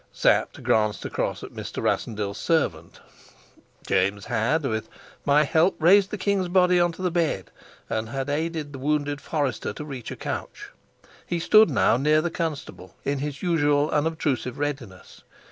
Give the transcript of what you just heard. Sapt glanced across at Mr. Rassendyll's servant. James had, with my help, raised the king's body on to the bed, and had aided the wounded forester to reach a couch. He stood now near the constable, in his usual unobtrusive readiness.